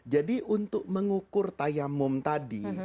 jadi untuk mengukur tayamum tadi